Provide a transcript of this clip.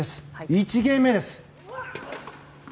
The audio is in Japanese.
１ゲーム目です。